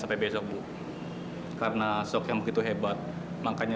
sampai jumpa di video selanjutnya